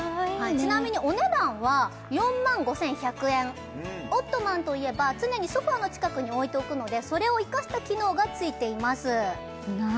ちなみにお値段は４万５１００円オットマンといえば常にソファの近くに置いておくのでそれを生かした機能が付いています